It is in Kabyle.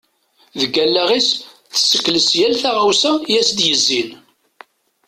Deg alaɣ-is tessekles yal taɣawsa i as-d-yezzin.